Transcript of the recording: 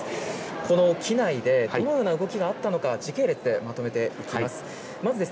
この機内でどのような動きがあったのか時系列でまとめていきます。